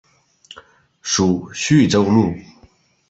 属叙州路。